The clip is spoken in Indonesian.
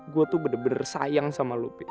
gue tuh bener bener sayang sama lo pi